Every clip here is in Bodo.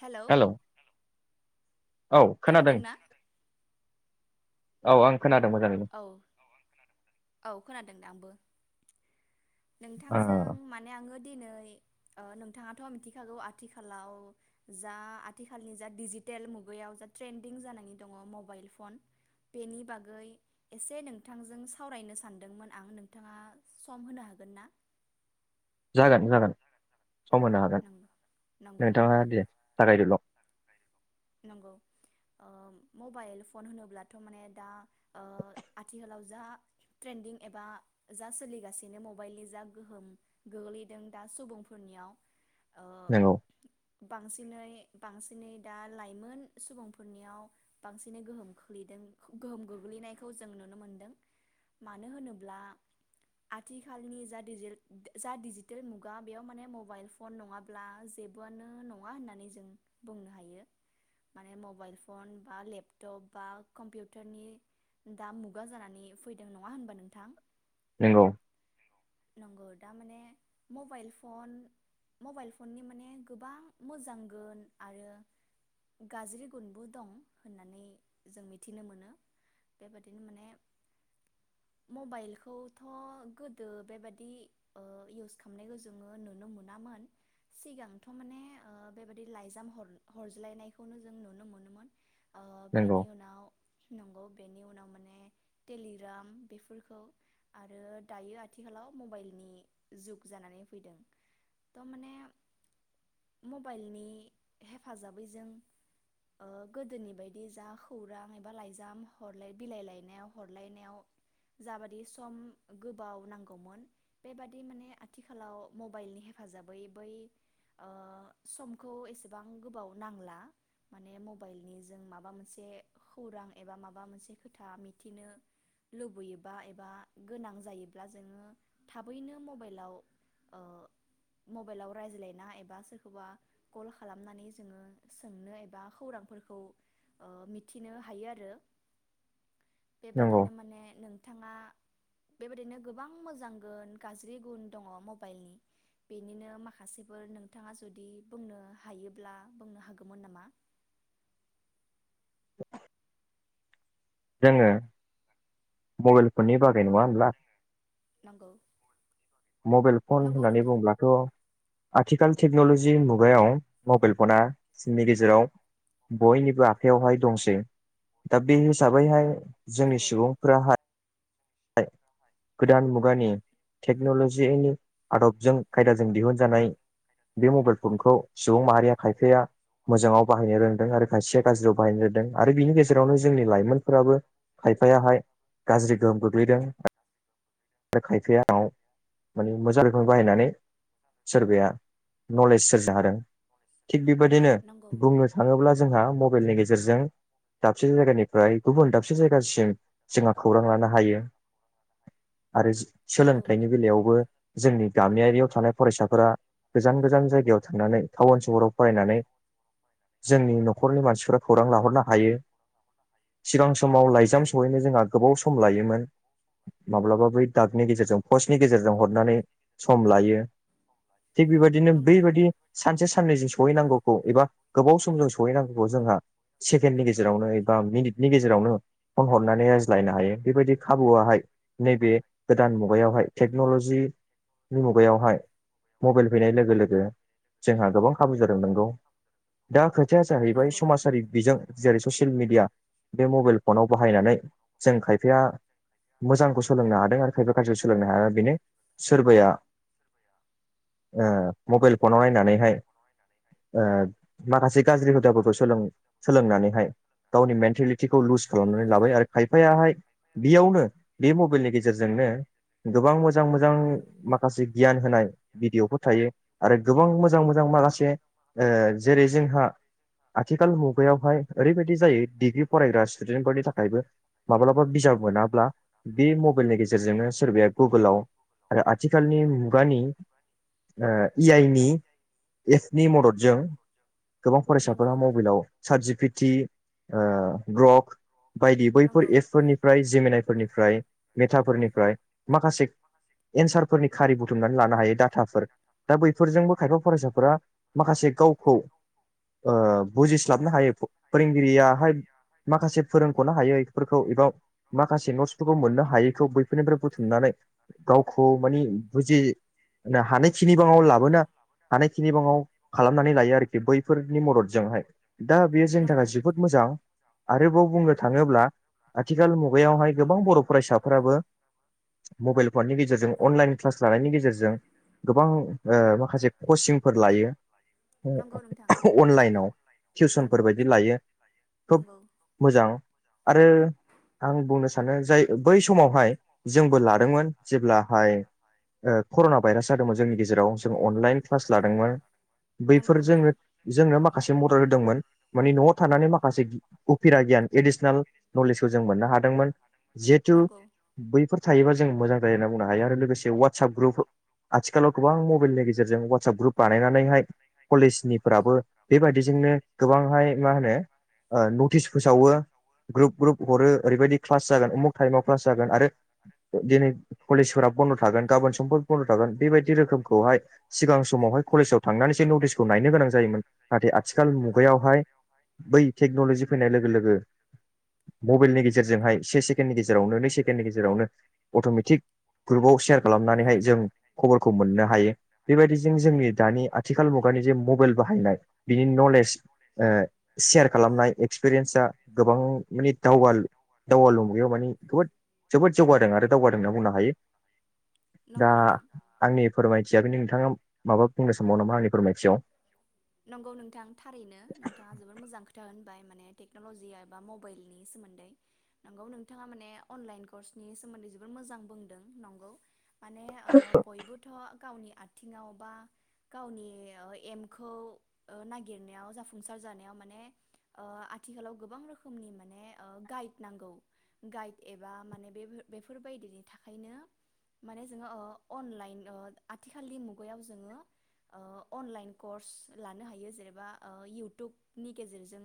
हेलौ हेल' औ खोनादों औ आं खोनादों मोजाङैनो औ औ खोनादों आंबो ओ नोंथांजों माने आङो दिनै ओ नोंथाङाथ' मिथिखागौ आथिखालाव जा आथिखालनि जा डिजिटेल मुगायाव जा ट्रेन्दिं जानानै दङ मबाइल फन बेनि बागै एसे नोंथांजों सावरायनो सानदोंमोन आं नोंथाङा सम होनो हागोन गोन ना जागोन जागोन सम होनो हागोन नंगौ नंगौ नोंथाङा दे जागायदोल' नंगौ ओ मबाइल फन होनोब्लाथ' माने दा ओ आथिखालाव जा ट्रेन्दिं एबा जा सोलिगासिनो मबाइलनि जा गोहोम गोग्लैदों दा सुबुंफोरनियाव ओ नोंगौ बांसिनै बांसिनै दा लाइमोन सुबुंफोरनियाव बांसिनै गोहोम खख्लैदों गोहोम गोग्लैनायखौ जों नुनो मोनदों मानो होनोब्ला आथिखालनि जा डिजेल जा डिजिटेल मुगा बेयाव माने मबाइल फन नङाब्ला जेबोआनो नङा होननानै जों बुंनो हायो माने मबाइल फन बा लेपटप बा कम्पिउटारनि दा मुगा जानानै फैदों नङा होनबा नोंथां नंगौ नंगौ दा माने मबाइल फन मबाइल फननि माने गोबां मोजां गुन आरो गाज्रि गुनबो दं होननानै जों मिथिनो मोनो बेबादिनो माने मबाइलखौथ' गोदो बेबादि ओ इउस खालामनायखौ जोङो नुनो मोनामोन सिगांथ' माने ओ बेबादि लाइजाम हर- हरज्लायनायखौनो जों नुनो मोनोमोन ओ नंगौ बेनि उनाव नंगौ बेनि उनाव माने टेलिग्राम बेफोरखौ आरो दायो थिखालाव मबाइलनि जुग जानानै फैदों थ माने मबाइलनि हेफाजाबै जों ओ गोदोनि बायदि जा खौरां एबा लाइजाम हरलाय बिलाइ लायनायाव हरलायनायाव जाबादि सम गोबाव नांगौ गौमोन बेबादि माने आथिखालाव मबाइलनि हेफाजाबै बै ओ समखौ एसेबां गोबाव नांला माने मबाइलनि जों माबा मोनसे खौरां एबा माबा मोनसे खोथा मिथिनो लुबैयोबा एबा गोनां जायोब्ला जोङो थाबैनो मबाइलाव ओ मबाइलाव रायज्लायना एबा सोरखौबा कल खालामनानै जोङो सोंनो एबा खौरांफोरखौ ओ मिथिनो हायो आरो नंगौ बेबादिनो माने नोंथाङा बेबायदिनो गोबां मोजां गोन गाज्रि गुन दङ मबाइलनि बेनिनो माखासेफोर नोंथाङा जुदि बुंनो हायोब्ला बुंनो हागौमोन नामा जोङो मबाइल फननि बागै नङा होनब्ला नंगौ मबाइल फन नंगौ होननानै नोंथां बुंब्लाथ' आथिखाल टेक्न'लजि मुगायाव मबाइल फना जोंनि गेजेराव बयनिबो आखायावहाय दंसै दा बे स हिसाबैहाय जोंनि नंगौ सुबुंफ्राहाय गोदान मुगानि टेक्न'लजिनि आदबजों खायदाजों दिहुनजानाय बे मबाइल फनखौ सुबुं माहारिया खायफाया मोजाङाव बाहायनो रोंदों आरो खायसेया गाज्रियाव बाहायनो रोंदों आरो बिनि गेजेरावनो जोंनि लाइमोनफोराबो खायफायाहाय गाज्रि गोहोम गो [unintelligible] आरो खायफायायाव माने मोजां रोखोमै बाहायनानै सोरबाया नलेज सोरजिनो हादों थिग बेबायदिनो नंगौ बुंनो थाङोब्ला जोंहा मब मबाइलनि गेजेरजों दाबसे जायगानिफ्राय गुबुन दाबसे जायगासिम जोंहा खौरां लानो हायो आरो नंगौ सोलोंथाइनि बेलायावबो जोंनि गामियरियाव थानाय फरायसाफोरा गोजान गोजान जायगायाव थांनानै टाउन सहराव फरायनानै जोंनि न'खरनि मानसिफोरा खौरां लाहरनो हायो सिगां समाव नंगौ लाइजाम सहैनो जोंहा गोबाव सम लायोमोन [inaudible] माब्लाबा बै दागनि गेजेरजों पस्नि गेजेरजों हरनानै सम लायो थिग बेबायदिनो नंगौ बैबायाददि सानसे साननैजों स सहैनांगौखौ एबा गोबाव सम जों सहैनांगौखौ जोंहा सेकेणडनि गेजेरावनो एबा मिनिटनि गेजेरावनो फन हरनानै रायज्लायनो हायो बेबायदि खाबुआहाय नैबे गोदान मुगायावहाय टेक्न'लजिनि मुगायावहाय मबाइल फैनाय लोगो लोगो जोंहा गोबां खाबु जादों नांगौ दा खोथाया जाहैबाय नंगौ समाजारि बिजों जेरै ससियेल मिडिया बे मबाइल फनाव बाहायनानै जों खायफाया मोजांखौ सोलोंनो हादों आरो खायफा खाज्रिखौ सोलोंनो हाया बेनो सोरबाया ओ मबाइल फनाव नायनानैहाय ओ माखासे गाज्रि हुदाफोरखौ सोलों सोलोंनानैहाय गावनि मेन्टेलिटिखौ लुज खालामनानै लाबाय आरो खायफायाहाय बेयावनो बे मबाइलनि गेजेरजोंनो गोबां मोजां मोजां माखासे गियान होनाय भिडिय'फोर थायो आरो गोबां मोजां मोजां माखासे ओ जेरै जोंहा आथिखाल मुगायावहाय ओरैबायदि जायो डिग्रि फरायग्रा स्टुदेन्टफोरनि थाखायबो माब्लाबा बिजाब मोनाब्ला बे मबाइलनि गेजेरजोंनो सोरबाया गुगोलाव आरो आथिखालनि मुगानि इ आइ नि एपनि मददजों गोबां नंगौ फरायसाफोरा मबाइलाव सार्जिफिट टि ओ ग्रक बायदि बैफोर नंगौ एप्सफोरनिफ्राय जेमिनाय फ्राय मेथाफोरनिफ्राय माखासे एन्सारफोरनि खारि बुथुमनानै लानो हायो दाताफोर दा बैफोरजोंबो खाफा फरासाफोरा माखासे गावखौ ओ बुजिस्लाबनो हायो फोरोंगिरियाहाय माखासे फोरोंख'नो हायोफोरखौ एब माखासे नतस फोरखौ मोननो हायैखौ बैफोरनिफ्राय बुथुमनानै गावखौ मानि बुजि हानायखिनि बाङाव लाबोना हानायखिनि बाङाव खालामनानै लायो आरोखि बैफोरनि मददजोंहाय दा बेयो जोंनि नंगौ थाखाय जोबोद मोजां आरोबाव बुंनो थाङोब्ला आथिखाल मुगायावहाय गोबां बर' फरायसाफोराबो मबाइल फननि गेजेरजों अनलाइन क्लास लानायनि गेजेरजों गोबां ओ माखासे कचिंफोर लायो नंगौ नोंथां अनलाइनाव नंगौ टिउसनफोरबायदि लायो खोब नंगौ मोजां। आरो आं बुंनो सा सानो जाय बै समावहाय जोंबो लादोंमोन जेब्लाहाय ओ कर'ना भाइरास जादोंमोन जोंनि गेजेराव जों अनलाइन क्लास लादोंमोन। नंगौ बैफोर नोंथां जोंनो जोंनो माख‌ माखासे मदद होदोंमोन माने न'आव थानानै माखासे उफिरा गियान एडिसनेल नलेजखौ जों मोननो हादोंमोन जिहेथु नंगौ बैफोर थायोबा जों मोजां जायो होनना बुंनो हायो आरो लोगोसे व्हाटसएप ग्रुप आथिखालाव गोबां मबाइलनि गेजेरजों व्हाटसएप ग्रुप बानायनानैहाय कलेजनिफ्राबो बेबायदिजोंनो गोबांहाय मा होनो ओ नटिस फोसावो ग्रप ग्रुप हरो ओरैबायदि क्लास उमुक टाइमाव क्लास जागोन आरो दिनै कलेज फोरा बन्द' थागोन गाबोन समफोर बन्द' थागोन बेबायदि रोखोमखौहाय सिगां समावहाय कलेजाव थांनानैसो नटिसखौ नायनो गोनां जायोमोन नाथाय आथिखाल मुगायावहाय बै टेक्न'लजि फैनाय लोगो लोगो मबाइलनि गेजेरजोंहाय से सेकेण्डनि गेजेरावनो नै सेकेण्डनि गेजेरावनो अट'मेटिक ग्रुपआव सेयार खालामनानैहाय जों खबरखौ मोननो हायो बेबायदि जों जोंनि दानि आथि थिखाल मुगानि जे मबाइल बाहायनाय बिनि नलेज ओ सेयार खालामनाय एक्सपिरियेन्सा गोबां माने दावगाल दावगालु मुगायाव माने बोद जोबोद जौगादों आरो दावगादों होनना बुंनो हायो दा नंगौ नोंथां आंनि फोरमाय थिया बेनो नोंथाङा माबा बुंनो सानबावो नामा आंनि फोरमायथियाव? नंगौ नोंथां थारैनो नोंथाङा जोबोद मोजां खोथा होनबाय। माने टेक्न'लजिया एबा मबाइलनि सोमोन्दै नंगौ नोंथाङा माने अनलाइन कर्सनि सोमोन्दै जोबोद मोजां बुंदों नंगौ। माने ओ बयबोथ' गावनि आ थिंआव बा गावनि एम खौ खौ ओ नागिरनायाव जाफुंसार जानायाव माने ओ आथिखालाव गोबां रोखोमनि माने ओ गाइड नांगौ गाइड एबा माने बे बेफोरबायदिनि थाखायनो माने जोङो ओ अनलाइन ओ आथिखालनि मुगायाव जोङो ओ अनलाइन कर्स लानो हायो जेनेबा इयउटुबनि गेजेरजों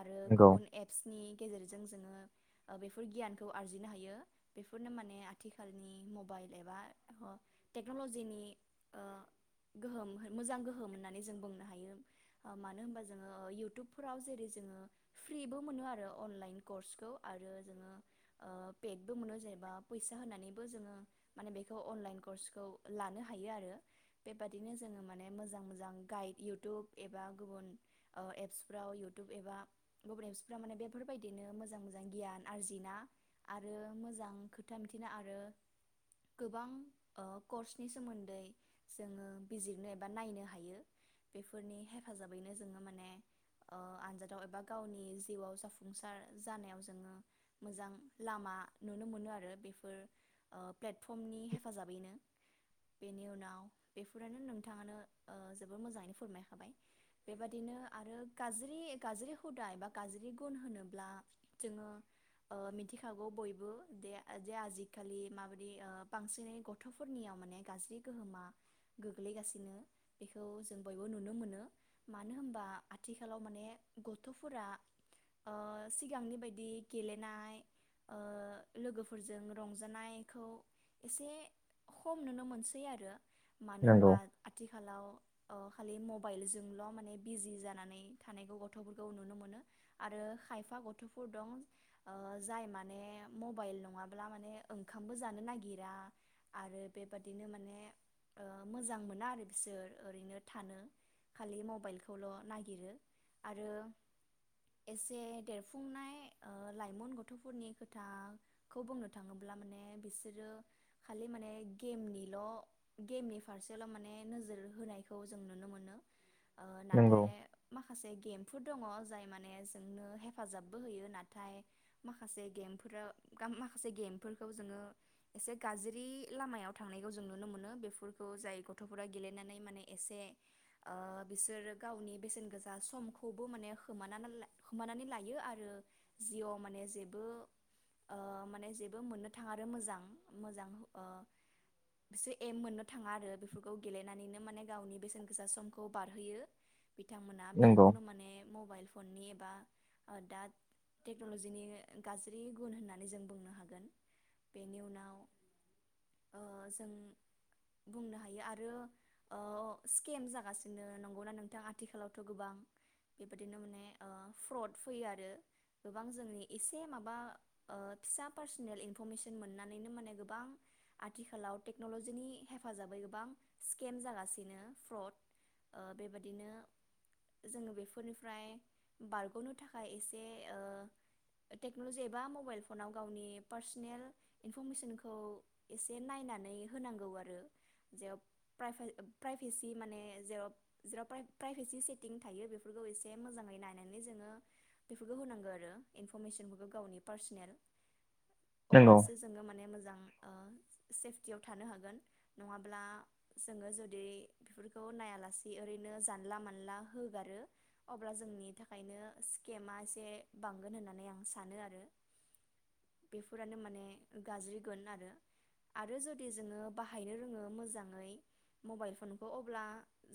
आरो नंगौ गुबुन एप्सनि गेजेरजों जों जोंङो बेफोर गियानखौ आरजिनो हायो बेफोरनो माने आथिखालनि मबाइल एबा अ टेक्नलजिनि ओ गोहोम मोजां गोहोम होन्ना नै जों बुंनो हायो ओ मानो होनबा जोङो ओ इउटुबफोराव जेरै जोङो फ्रिबो मोनो आरो अनलाइन कर्सखौ आरो जोङो ओ पेडबो मोनो जेनेबा फैसा होनानैबो जोङो माने बेखौ अनलाइन कर्सखौ लानो हायो आरो बेबादिनो जोङो माने मोजां मोजां गाइ इयउटुब एबा गुबुन ओ एप्सफ्राव इउटुब एबा गुबुन एप्सफ्राव माने बेफोरबायदिनो मोजां मोजां गियान आरजिना आरो मोजां खोथा मिथिना आरो गोबां ओ कर्सनि सोमोन्दै जोङो बिजिरनो एबा नायनो हायो। बेफोरनि हेफाजाबैनो जोङो माने ओ आनजादाव एबा गावनि जिउआव जाफुंसार जानायाव जोङो मोजां लामा नुनो मोनो आरो बेफोर ओ प्लेटफर्मनि हेफाजाबैनो बेनि उनाव बेफोरानो नोंथाङानो ओ जोब बोद‌ मोजाङैनो फोरमायखाबाय बेबाददिनो आरो गाज्रि गाज्रि हुदा एबा गाज्रि गुन होनोब्ला जोङो ओ मिथिखागौ बयबो दे जे आजिखालि माबायदि ओ बांसिनै गथ'फोरनियाव माने गाज्रि गोहोमा गोग्लैगासिनो बेख खौ जों बयबो नुनो मोनो मानो होनबा आथिखालाव माने गथ'फोरा ओ सिगांनि बायदि गेलेनाय ओ लोगोफोरजों रंजानायखौ एसे खम नुनो मोनसै आरो मानो नंगौ होनबा आथिखालाव ओ खालि मबाइलजोंल' माने बिजि जानानै थानायखौ गथ'फोरखौ नुनो मोनो आरो खायफा गथ'फोर दं ओ जाय माने मबाइल नङाब्ला माने ओंखामबो जानो नागिरा आरो बेबादिनो माने ओ मोजां मोना आरो बिसोर ओरैनो थानो खालि मबाइलखौल' नागिरो आरो एसे देरफुंनाय ओ लाइमोन गथ'फोरनि खोथाखौ बुंनो थाङोब्ला माने बिसोरो खालि माने गेमनिल' गेमनि फारसेल' माने नोजोर होनायखौ जों नुनो मोनो। ओ नंगौ नाथाय माखासे गेम फोर दङ जाय माने जोंनो हेफाजाबबो होयो नाथाय माखासे गेमफोरा गाम माखासे गेमफोरखौ जोङो एसे गाज्रि लामायाव थांनायखौ जों नुनो मोनो बेफोरखौ जाय गथ'फोरा गेलेनानै माने एसे ओ बिसोर गावनि बेसेन गोसा समखौबो माने होमानानाने होमानानै लायो आरो जिवाव माने जेबो ओ माने जेबो मोननो थाङा आरो मोजां मोजां ओ बिसोर एम मोननो थाङा आरो बेफोरखौ गेलेनानैनो माने गावनि बेसेन गोसा समखौ बारहोयो बिथांमोना नंगौ बेखौनो माने मबाइल फननि एबा दा टेक्न'लजिनि गाज्रि गुन होननानै जों बुंनो हागोन बेनि उनाव ओ जों बुंनो हायो आरो ओ स्केम जागासिनो नंगौना नोंथां आथिखालावथ' गोबां बेबायदिनो माने ओ फ्रड फैयो आरो गोबां जोंनि एसे माबा ओ फिसा पार्सनेल इनफरमेसन मोननानैनो माने गोबां आथिखालाव टेक्न'लजिनि हेफाजाबै गोबां सि केम जागासिनो फ्रड ओ बेबादिनो जोङो बेफोरनिफ्राय बारग'नो थाखाय एसे ओ टेक्नलजि एबा मबाइल फनाव गावनि पार्सनेल इनफरमेसनखौ एसे नायनानै होनांगौ आरो जे प्राइभे-प्राइभेसि माने जेराव जेराव प्राइ-प्राइभेसि सेटिं थायो बेफोरखौ एसे मोजाङै नायनानै जोङो बेफोरखौ होनांगौ आरो इनफरमेसनफोरखौ गावनि पार्सनेल नंगौ अब्लासो जोङो माने मोजां ओ सेफटियाव थानो हागोन नङाब्ला जोङो जुदि बेफोरखौ नायालासे ओरैनो जानला मानला होगारो अब्ला जोंनि थाखायनो स्केमा एसे बांगोन होननानै आं सानो आरो बेफोरानो माने गाज्रिगोन आरो। आरो जुदि जोङो बाहायनो रोङो मोजाङै मबाइल फनखौ अब्ला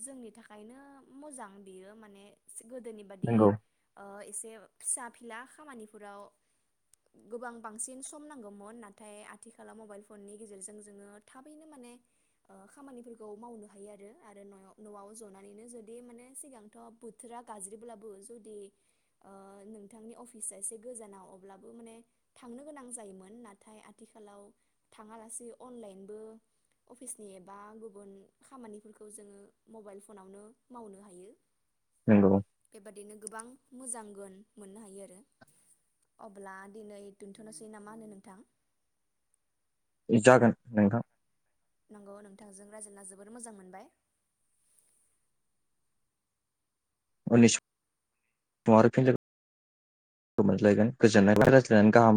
जोंनि थाखायनो मोजां बियो माने गोदोनि बादि नंगौ ओ एसे फिसा फिला खामानिफोराव गोबां बांसिन सम नांगौमोन नाथाय आथिखालाव मबाइल फननि गेजेरजों जोङो थाबैनो माने ओ खामानिफोरखौ मावनो हायो आरो आरो न'याव न'आव जनानैनो जुदि माने सिगांथ' बोथोरा गाज्रिब्लाबो जुदि ओ नोंथांनि अफिस एसे गोजानाव अब्लाबो माने थांनो गोनां जायोमोन नाथाय आथिखालाव थाङालासे अनलाइनबो अफिसनि एप बा गुबुन खामानिफोरखौ जोङो मबाइल फनावनो मावनो हायो। नंगौ बेबादिनो गोबां मोजां गोन मोननो हायो आरो अब्ला दिनै दोनथ'नोसै ना मा होनो नोंथां? जागोन नोंथां। नंगौ नोंथांजों रायज्लायना जोबोर मोजां मोनबाय। उननि स' आरो फिन लो गो मोनलायगोन [unintelligible] रायज्लायनानै गाहाम